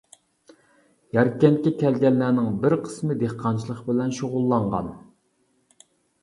ياركەنتكە كەلگەنلەرنىڭ بىر قىسمى دېھقانچىلىق بىلەن شۇغۇللانغان.